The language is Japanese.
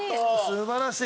素晴らしい。